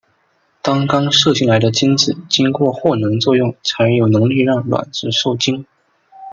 当刚射进来的精子经过获能作用才有能力让卵子授精。